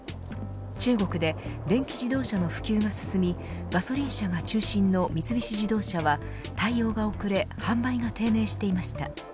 中国で電気自動車の普及が進みガソリン車が中心の三菱自動車は対応が遅れ販売が低迷していました。